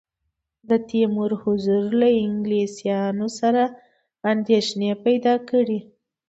د تیمور حضور له انګلیسیانو سره اندېښنې پیدا کړې.